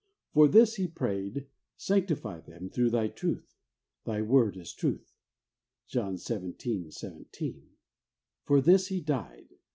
For this He prayed. ' Sanctify them through Thy truth; Thy word is truth' (John xvii. 17). For this He died.